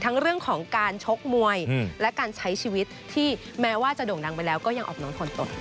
เรื่องของการชกมวยและการใช้ชีวิตที่แม้ว่าจะโด่งดังไปแล้วก็ยังอบน้อมทนตน